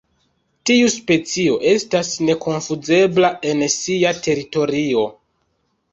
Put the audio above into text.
Tiu specio estas nekonfuzebla en sia teritorio.